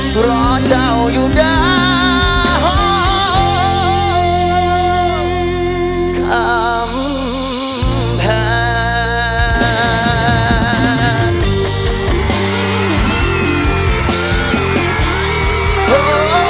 เพราะเจ้าอยู่ด้านห้องข้ามแทน